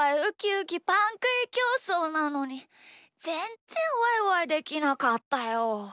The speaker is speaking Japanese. パンくいきょうそうなのにぜんぜんワイワイできなかったよ。